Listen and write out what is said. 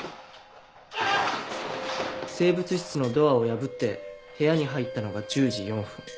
生物室のドアを破って部屋に入ったのが１０時４分。